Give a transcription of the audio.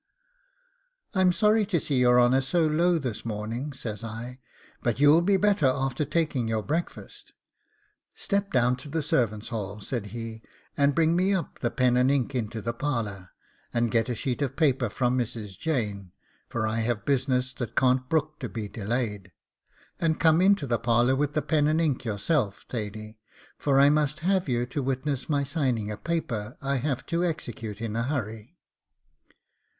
'I'm sorry to see your honour so low this morning,' says I; 'but you'll be better after taking your breakfast.' 'Step down to the servants' hall,' said he, 'and bring me up the pen and ink into the parlour, and get a sheet of paper from Mrs. Jane, for I have business that can't brook to be delayed; and come into the parlour with the pen and ink yourself, Thady, for I must have you to witness my signing a paper I have to execute in a hurry.